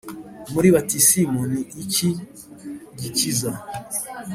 muri batisimu ni iki gikiza/